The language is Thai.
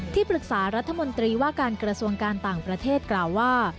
ปรึกษารัฐมนตรีว่าการกระทรวงการต่างประเทศกล่าวว่า